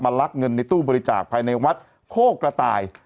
ลักเงินในตู้บริจาคภายในวัดโคกกระต่าย